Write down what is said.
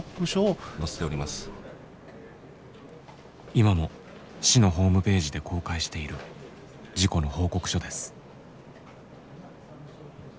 今も市のホームページで公開している事故の報告書です。